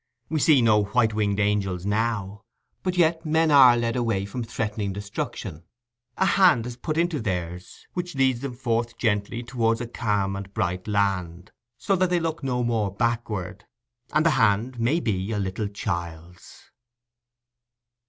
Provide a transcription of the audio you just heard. We see no white winged angels now. But yet men are led away from threatening destruction: a hand is put into theirs, which leads them forth gently towards a calm and bright land, so that they look no more backward; and the hand may be a little child's.